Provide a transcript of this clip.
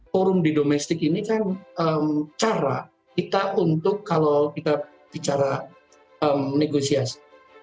forum di domestik ini kan cara kita untuk kalau kita bicara negosiasi